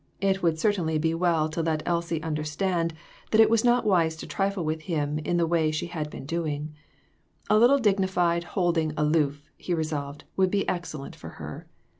It would certainly be well to let Elsie understand that it was not wise to trifle with him in the way she had been doing; a little dignified holding aloof, he resolved, would be excellent for her.